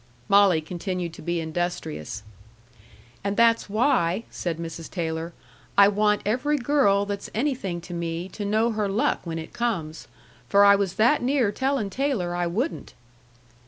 Molly continued to be industrious. "And that's why," said Mrs. Taylor, "I want every girl that's anything to me to know her luck when it comes. For I was that near telling Taylor I wouldn't!"